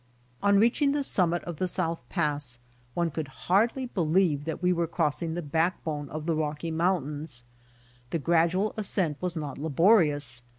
On reaching the summit of the South Pass one could hardly believe that we were crossing the backbone of the Rocky mountains. The gradual ascent was not lal)orious.